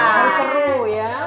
harus seru ya